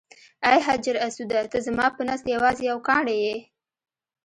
ای حجر اسوده ته زما په نزد یوازې یو کاڼی یې.